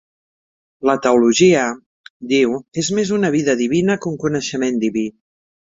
La teologia, diu, és més una vida divina que un coneixement diví.